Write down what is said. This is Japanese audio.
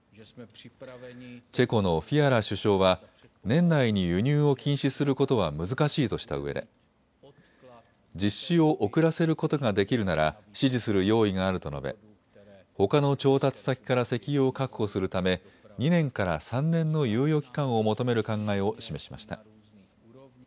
チェコのフィアラ首相は年内に輸入を禁止することは難しいとしたうえで実施を遅らせることができるなら支持する用意があると述べほかの調達先から石油を確保するため２年から３年の猶予期間を求める考えを示しました。